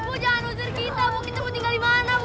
bu jangan usir kita bu kita mau tinggal dimana bu